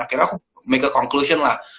akhirnya aku make a conclusion lah